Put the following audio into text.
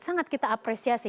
sangat kita apresiasi